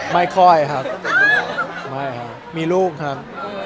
ไม่ค่อยครับไม่ครับมีลูกครับ